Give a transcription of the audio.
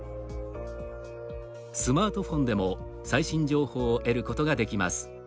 スマートフォンでも最新情報を得ることができます。